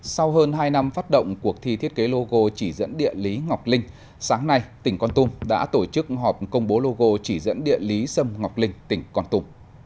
sau hơn hai năm phát động cuộc thi thiết kế logo chỉ dẫn địa lý ngọc linh sáng nay tỉnh con tum đã tổ chức họp công bố logo chỉ dẫn địa lý sâm ngọc linh tỉnh con tùm